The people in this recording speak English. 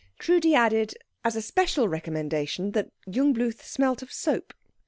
Trudi added, as a special recommendation, that Jungbluth smelt of soap.